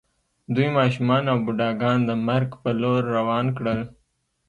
دوی ماشومان او بوډاګان د مرګ په لور روان کړل